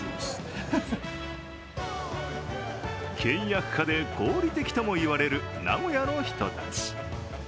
倹約家で合理的とも言われる名古屋の人たち。